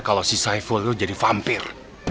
kalau si saiful itu jadi vampir